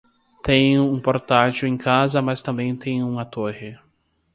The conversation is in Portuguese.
Tenho um portátil em casa mas também tenho uma torre.